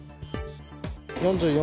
４４